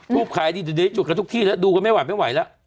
พูดขายดีเดี๋ยวจุดกันทุกที่แล้วดูกันไม่ไหวไม่ไหวแล้ว